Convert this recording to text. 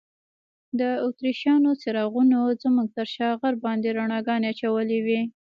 د اتریشیانو څراغونو زموږ تر شا غر باندې رڼاګانې اچولي وې.